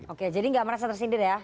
oke jadi nggak merasa tersindir ya